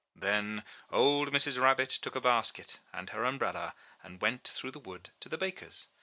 Then old Mrs. Rabbit took a basket and her umbrella and went through the wood to the baker's.